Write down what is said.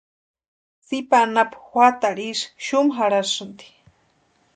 Tsipa anapu juatarhu ísï xumu jarhasïnti.